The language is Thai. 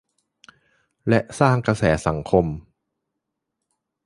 และสร้างกระแสสังคม